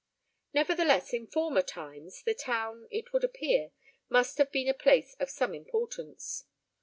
Nevertheless, in former times, the town, it would appear, must have been a place of some importance.